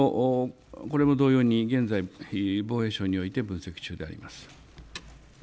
これも同様に現在、防衛省において分析中であります。